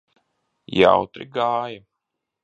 Jautri gāja?